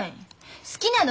好きなの？